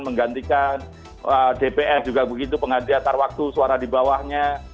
menggantikan dpr juga begitu pengganti antar waktu suara di bawahnya